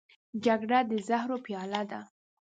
جګړه د زهرو پیاله ده